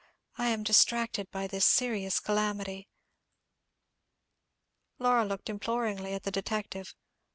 "I am distracted by this serious calamity." Laura looked imploringly at the detective.